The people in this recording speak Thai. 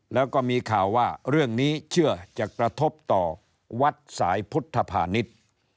แล้วก็มีข่าวว่าเรื่องนี้เชื่อจะกระทบต่อวัดสายพุทธภานิษฐ์